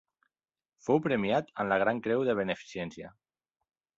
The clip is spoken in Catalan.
Fou premiat amb la gran creu de beneficència.